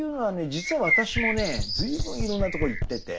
実は私もね随分いろんなとこ行ってて。